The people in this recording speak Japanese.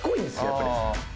やっぱり。